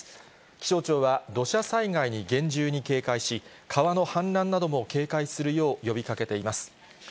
気象庁は土砂災害に厳重に警戒し、川の氾濫なども警戒するよう呼びかけています。